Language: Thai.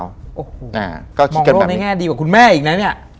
มองโลกในแง่ดีกว่าคุณแม่อีกนะเนี่ย